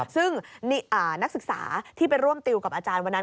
ซึ่งนักศึกษาที่ไปร่วมติวกับอาจารย์วันนั้น